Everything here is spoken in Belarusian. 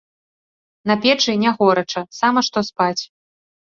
На печы не горача, сама што спаць.